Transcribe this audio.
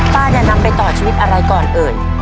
จะนำไปต่อชีวิตอะไรก่อนเอ่ย